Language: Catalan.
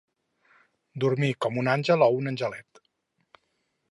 Dormir com un àngel o un angelet.